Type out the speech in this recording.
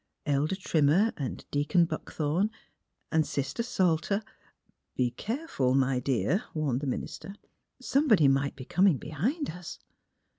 '■' Elder Trim mer and Deacon Buckthorn and Sister Sal ter "'' Be careful, my dear," warned the minister. " Somebody might be coming behind us."